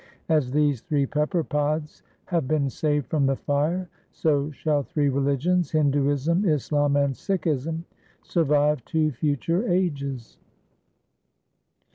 As these three pepper pods have been saved from the fire, so shall three religions, Hinduism, Islam, and Sikhism survive to future ages.'